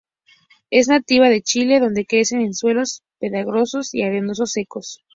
Es nativa de Chile, donde crece en suelos pedregosos y arenosos, secos.